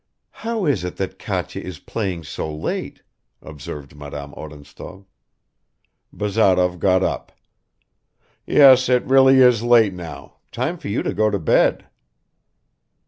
"How is it that Katya is playing so late?" observed Madame Odintsov. Bazarov got up. "Yes, it really is late now, time for you to go to bed."